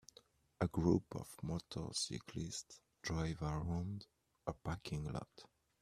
A group of motorcyclists drive around a parking lot